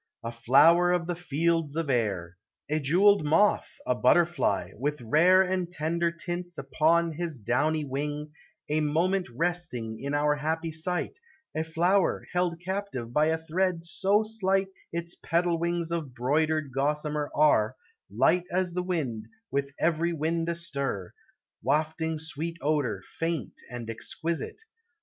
a flower of the fields of air; A jewelled moth ; a butterfly, with rare And tender tints upon his downy wing, A moment resting in our happy sight ; A flower held captive by a thread so slight Its petal wings of broidered gossamer Are, light as the wind, with every wind astir, — Wafting sweet odor, faint and exquisite.